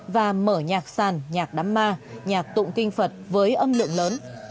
và mở nhạc sàn nhạc đám ma nhạc tụng kinh phật với âm thanh